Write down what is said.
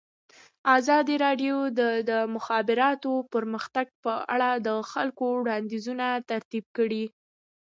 ازادي راډیو د د مخابراتو پرمختګ په اړه د خلکو وړاندیزونه ترتیب کړي.